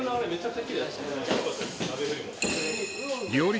料理